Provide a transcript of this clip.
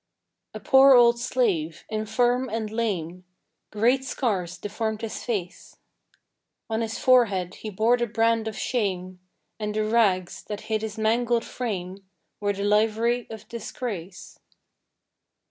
A poor old slave, infirm and lame; Great scars deformed his face; On his forehead he bore the brand of shame, And the rags, that hid his mangled frame, Were the livery of disgrace.